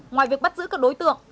ngoài việc bắt giữ các đối tượng